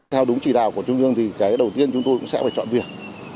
theo đúng chỉ đạo của trung ương thì cái đầu tiên chúng tôi cũng sẽ phải chọn việc